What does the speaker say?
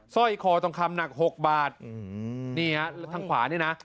สร้อยคอทองคำหนักหกบาทอืมนี่ฮะแล้วทางขวานี่นะ